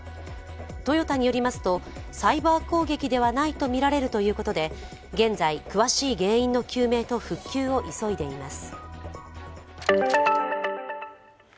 トヨタによりますと、サイバー攻撃ではないとみられるということで現在、詳しい原因の究明と復旧を急いでいます。